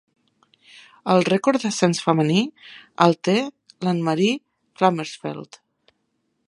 El rècord d'ascens femení el té l'Anne-Marie Flammersfeld.